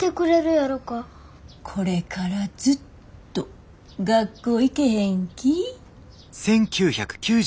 これからずっと学校行けへん気ぃ？